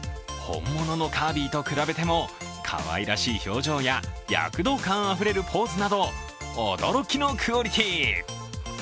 本物のカービィと比べても、かわいらしい表情や躍動感あふれるポーズなど驚きのクオリティー。